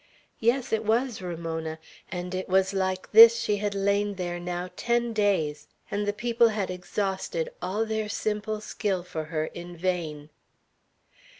Yes, it was Ramona; and it was like this she had lain there now ten days; and the people had exhausted all their simple skill for her in vain.